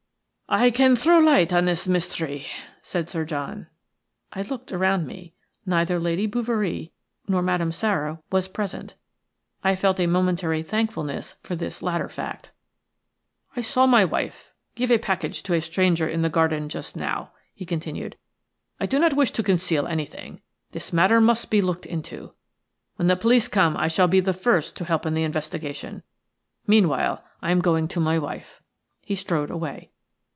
"I can throw light on this mystery," said Sir John. I looked around me. Neither Lady Bouverie nor Madame Sara was present. I felt a momentary thankfulness for this latter fact. "I saw my wife give a package to a stranger in the garden just now," he continued. "I do not wish to conceal anything. This matter must be looked into. When the police come I shall be the first to help in the investigation. Meanwhile I am going to my wife." He strode away.